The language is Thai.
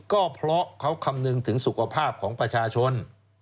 ก็เพราะเขาคำนึงถึงสุขภาพของประชาชน